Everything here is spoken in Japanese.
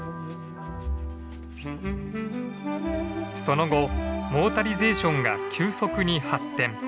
その後モータリゼーションが急速に発展。